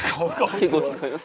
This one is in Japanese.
結構使います。